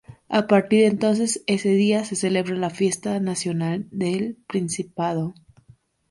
A partir de entonces, ese día se celebra la fiesta nacional del Principado.